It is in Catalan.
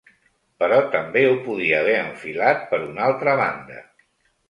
Però també ho podia haver enfilat per una altra banda.